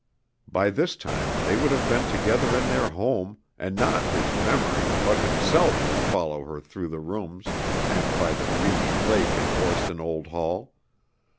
By this time, they would have been together in their home, and not his memory but himself would follow her through the rooms and by the dreamy lake at Gorston Old Hall.